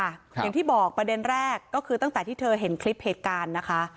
อย่างที่บอกประเด็นแรกก็คือตั้งแต่ที่เธอเห็นคลิปเหตุการณ์นะคะ